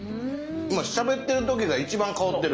今しゃべってる時が一番香ってる。